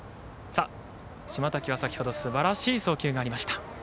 島瀧は先ほどすばらしい送球がありました。